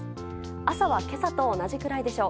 朝は今朝と同じくらいでしょう。